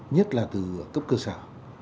nhất là từ cấp cơ sở